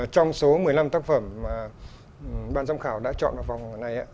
trong số một mươi năm tác phẩm mà ban giám khảo đã chọn vào vòng này